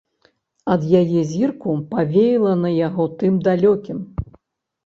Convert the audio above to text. Ад яе зірку павеяла на яго тым далёкім.